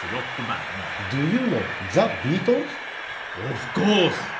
ドゥーユーノウザ・ビートルズ？オフコース！